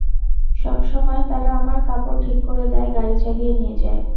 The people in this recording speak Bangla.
সবসময়, তারা আমার কাপড় ঠিক করে দেয়, গাড়ি চালিয়ে নিয়ে যায়।